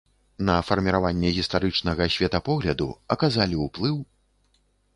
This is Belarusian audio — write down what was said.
На фарміраванне гістарычнага светапогляду аказалі ўплыў.